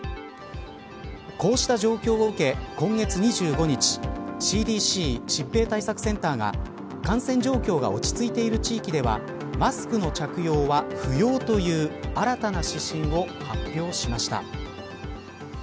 こうした状況を受け今月２５日ＣＤＣ疾病対策センターが感染状況が落ち着いている地域ではマスクの着用は不要という新たな指針を発表しました。